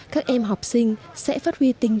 các em học sinh sẽ phát huy tinh